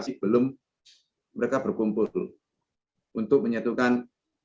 saya k religion menyebabkan ia itu benar benar banyak rasa kehendak yang tersang cin